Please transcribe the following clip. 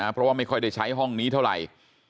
เพราะว่าไม่ค่อยได้ใช้ห้องนี้เท่าไหร่